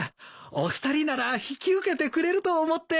お二人なら引き受けてくれると思って。